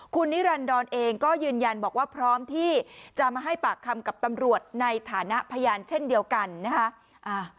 คุณนิรันดรเองก็ยืนยันบอกว่าพร้อมที่จะมาให้ปากคำกับตำรวจในฐานะพยานเช่นเดียวกันนะคะ